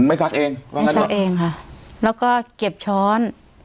ไม่ซักเองไม่ซักเองค่ะแล้วก็เก็บช้อน